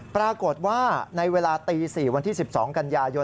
ปรากฏว่าในเวลาตี๔วันที่๑๒กันยายน